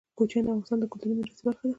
کوچیان د افغانستان د کلتوري میراث برخه ده.